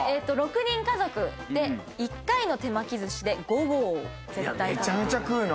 ６人家族で一回の手巻きずしで５合を絶対食べている。